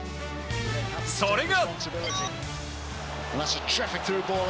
それが。